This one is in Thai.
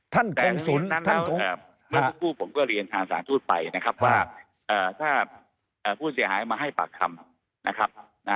ดังนั้นผู้ผมก็เรียนทางสารดูดไปว่าถ้าผู้เสียหายมาให้ปากคำ